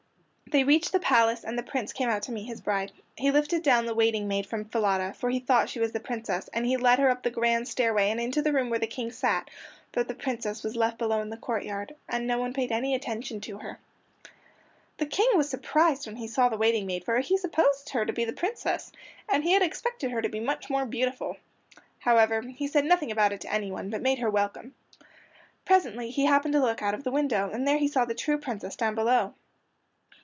They reached the palace, and the Prince came out to meet his bride. He lifted down the waiting maid from Falada, for he thought she was the Princess, and he led her up the grand stairway and into the room where the King sat, but the Princess was left below in the courtyard, and no one paid any attention to her. The King was surprised when he saw the waiting maid, for he supposed her to be the Princess, and he had expected her to be much more beautiful. However, he said nothing about it to anyone, but made her welcome. Presently he happened to look out of the window, and there he saw the true Princess down below.